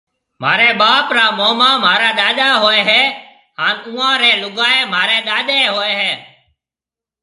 مهاريَ ٻاپ را موما مهارا ڏاڏا هوئي هيَ هانَ اُئان رين لُگائيَ مهاريَ ڏاڏين هوئيَ هيَ۔